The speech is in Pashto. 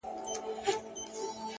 • دوستي د سلو کلونو لار ده ,